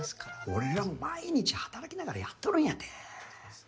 俺らも毎日働きながらやっとるんやて。